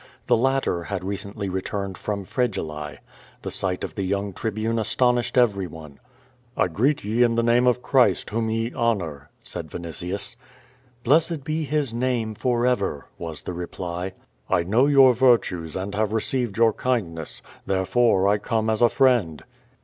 The latter had recently returned from Fregellae. The sight of the young Tribune astonished everyone. "I greet ye in the name of Christ, whom ye honor," said Vinitius. "Blessed be His name forever," was the reply. "I know your virtues and have received your kindness. Therefore, 1 come as a friend."